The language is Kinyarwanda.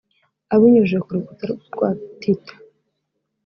Abinyujije ku rukuta rwa titter